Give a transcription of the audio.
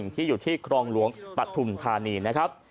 ที่อยู่ที่ครองหลวงปฐุมธานีนะครับ